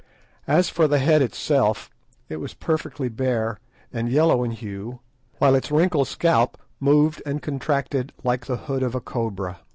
As for the head itself, it was perfectly bare, and yellow in hue, while its wrinkled scalp moved and contracted like the hood of a cobra.